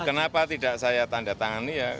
kenapa tidak saya tanda tangan ya